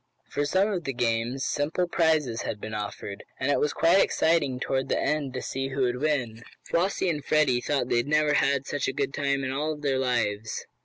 For some of the games simple prizes had been offered and it was quite exciting toward the end to see who would win. Flossie and Freddie thought they had never had such a good time in all their lives.